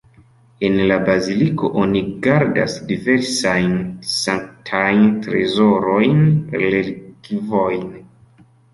En la baziliko oni gardas diversajn sanktajn trezorojn, relikvojn.